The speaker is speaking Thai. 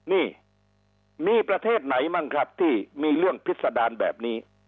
นี่มีประเทศไหนบ้างครับที่มีเรื่องพิษดารแบบนี้